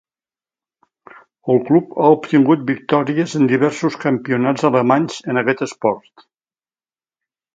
El club ha obtingut victòries en diversos campionats alemanys en aquest esport.